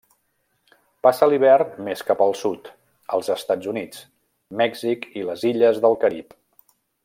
Passa l'hivern més cap al sud, als Estats Units, Mèxic i les illes del Carib.